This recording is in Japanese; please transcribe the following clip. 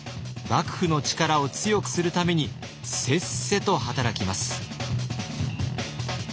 幕府の力を強くするためにせっせと働きます。